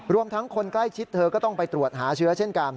ทั้งคนใกล้ชิดเธอก็ต้องไปตรวจหาเชื้อเช่นกัน